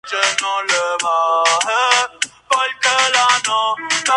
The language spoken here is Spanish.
Cooper se refiere a la canción como "la confesión de un alcohólico".